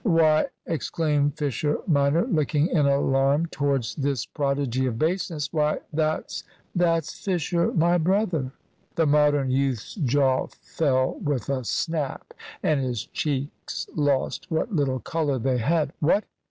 "Why," exclaimed Fisher minor, looking in alarm towards this prodigy of baseness, "why, that's that's Fisher, my brother!" The Modern youth's jaw fell with a snap, and his cheeks lost what little colour they had. "What?